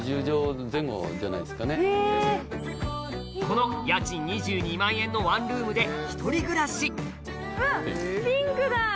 この家賃２２万円のワンルームで１人暮らしうわピンクだ！